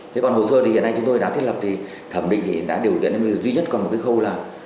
thế còn hồ sơ thì hiện nay chúng tôi đã thiết lập thì thẩm định thì đã điều kiện duy nhất còn một cái khâu là